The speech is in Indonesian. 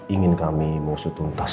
ingin kami mau sutuntas